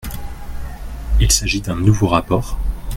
Il s’agit d’un nouveau rapport.